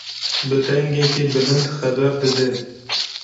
Bi dengekî bilind xeber dide.